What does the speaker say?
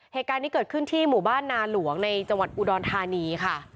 เหตุการณ์นี้เกิดขึ้นที่หมู่บ้านนาหลวงในจังหวัดอุดรธานีค่ะ